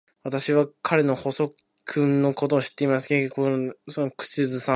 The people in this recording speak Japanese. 「私は彼の細君のことも知っています」と、Ｋ は少し当てずっぽうにいってみた。「それはありうることです」と、村長はいって、口をつぐんだ。